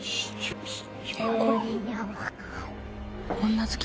女好き。